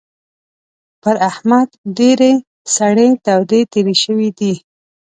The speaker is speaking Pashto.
پر احمد ډېرې سړې تودې تېرې شوې دي.